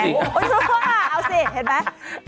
นี่เป็นอย่างไรโอ้โอ้ยว่าเอาสิเห็นไหม